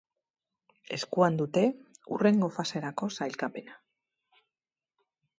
Eskuan dute hurrengo faserako sailkapena.